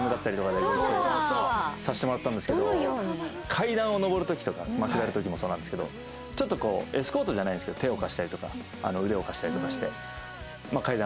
階段を上る時とか下る時もそうなんですけどちょっとこうエスコートじゃないんですけど手を貸したりとか腕を貸したりとかして階段終わるじゃないですか。